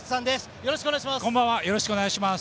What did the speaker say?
よろしくお願いします。